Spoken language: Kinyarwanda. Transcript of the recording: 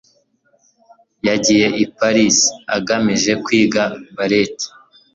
yagiye i paris agamije kwiga ballet